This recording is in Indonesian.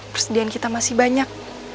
presiden kita masih banyak